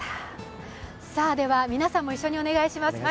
では、皆さんも一緒にお願いします。